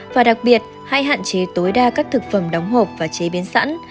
và đặc biệt hãy hạn chế tối đa các thực phẩm đóng hộp và chế biến sẵn